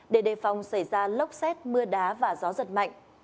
để đề phòng xảy ra lốc xét mưa đá và gió giật mạnh